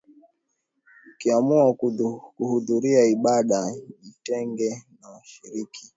Ukiamua kuhudhuria ibada jitenge na washiriki wenzako kadri iwezekanavyo na epuka kusalimiana